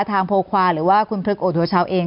ทางโพฟาหรือว่าคุณพฤกษ์โอโดเช้าเอง